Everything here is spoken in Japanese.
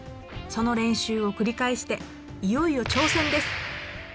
その練習を繰り返していよいよ挑戦です。